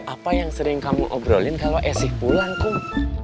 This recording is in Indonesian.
apa yang sering kamu obrolin kalau esi pulang kum